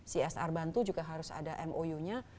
csr bantu juga harus ada mou nya